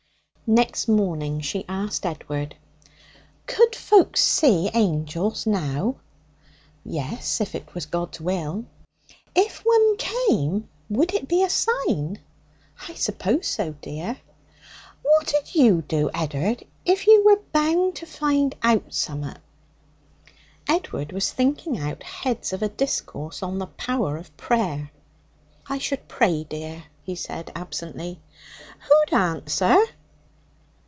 Next morning she asked Edward: 'Could folks see angels now?' 'Yes, if it was God's will.' 'If one came, would it be a sign?' 'I suppose so, dear.' 'What'd you do, Ed'ard, if you were bound to find out summat?' Edward was thinking out heads of a discourse on the power of prayer. 'I should pray, dear,' he said absently. 'Who'd answer?'